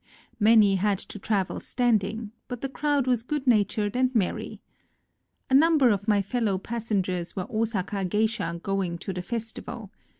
Many had to travel stand ing, but the crowd was good natured and merry. A number of my fellow passengers were Osaka geisha going to the festival.